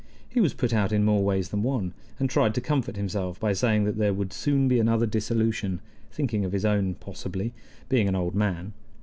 He was put out in more ways than one, and tried to comfort himself by saying that there would soon be another dissolution thinking of his own, possibly, being an old man.